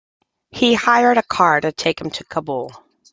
He hired a car to take him to Kabul.